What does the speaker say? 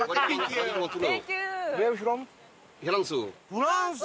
フランス！